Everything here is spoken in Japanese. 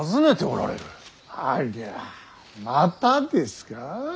ありゃまたですか。